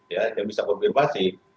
ya yang bisa konfirmasi